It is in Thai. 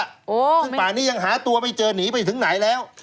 ซึ่งป่านี้ยังหาตัวไม่เจอหนีไปถึงไหนแล้ว